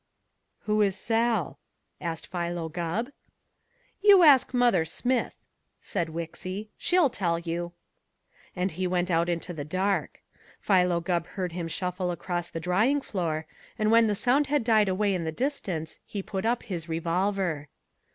"Who is Sal?" asked Philo Gubb. "You ask Mother Smith," said Wixy. "She'll tell you." And he went out into the dark. Philo Gubb heard him shuffle across the drying floor, and when the sound had died away in the distance he put up his revolver.